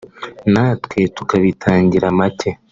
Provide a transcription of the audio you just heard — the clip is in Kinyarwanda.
natwe tukabitangira make